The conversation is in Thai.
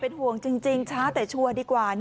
ห่วงจริงช้าแต่ชัวร์ดีกว่า